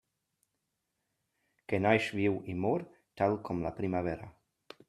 Que naix, viu i mor tal com la primavera.